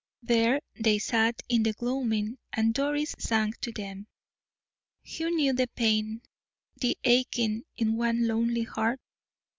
There they sat in the gloaming, and Doris sang to them. Who knew the pain, the aching in one lonely heart?